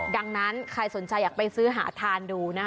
ดังนั้นใครสนใจอยากไปซื้อหาทานดูนะคะ